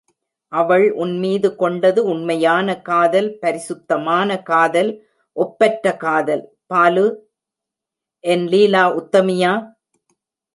அவள் உன்மீது கொண்டது உண்மையான காதல், பரிசுத்தமான காதல், ஒப்பற்ற காதல்... பாலு என் லீலா உத்தமியா?